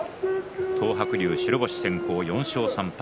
東白龍、白星先行、４勝３敗